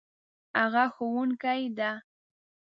هغه ښوونکې ده